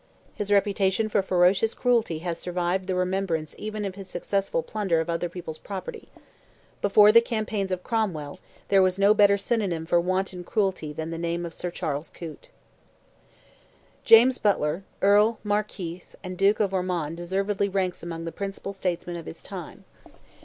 His reputation for ferocious cruelty has survived the remembrance even of his successful plunder of other people's property; before the campaigns of Cromwell there was no better synonym for wanton cruelty than the name of Sir Charles Coote. James Butler, Earl, Marquis, and Duke of Ormond deservedly ranks amongst the principal statesmen of his time.